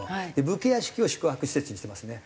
武家屋敷を宿泊施設にしてますね。